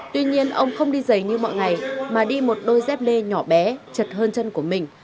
tuy nhiên ông không đi dày như mọi ngày mà đi một đôi dép lê nhỏ bé chật hơn chân của mình